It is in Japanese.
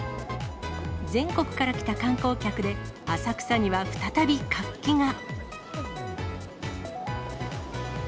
全国から来た観光客で、浅草には再び活気が。